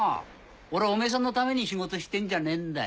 俺はお前さんのために仕事してんじゃねえんだ。